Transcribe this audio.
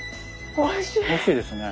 おいしいですね。